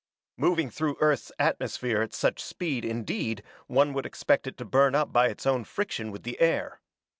"Moving through Earth's atmosphere at such speed, indeed, one would expect it to burn up by its own friction with the air.